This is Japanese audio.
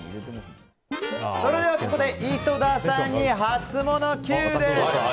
ここで井戸田さんにハツモノＱです！